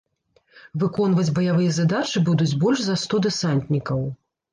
Выконваць баявыя задачы будуць больш за сто дэсантнікаў.